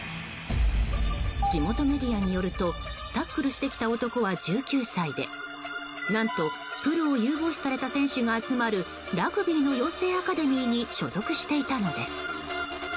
地元メディアによるとタックルしてきた男は１９歳で何と、プロを有望視された選手が集まるラグビーの養成アカデミーに所属していたのです。